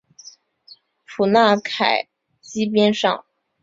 普纳凯基边上。